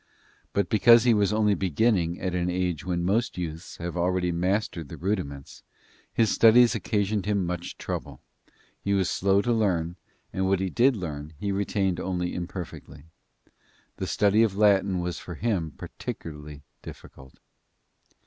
But because he was only beginning at an age when most youths have already mastered the rudiments, his studies occasioned him much trouble; he was slow to learn and what he did learn he retained only imperfectly. The study of Latin was for him particularly difficult.